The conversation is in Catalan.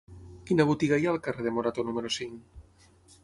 Quina botiga hi ha al carrer de Morató número cinc?